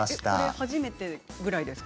初めてくらいですか？